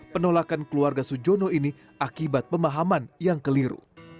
penolakan keluarga sujono ini akibat pemahaman yang keliru